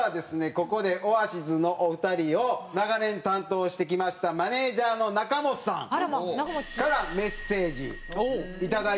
ここでオアシズのお二人を長年担当してきましたマネジャーの仲本さんからメッセージいただいております。